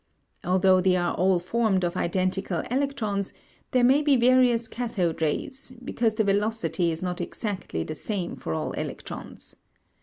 Although they are all formed of identical electrons, there may be various cathode rays, because the velocity is not exactly the same for all electrons.